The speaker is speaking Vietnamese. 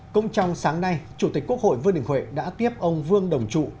cũng trong sáng nay chủ tịch quốc hội vương đình huệ đã tiếp ông vương đồng trụ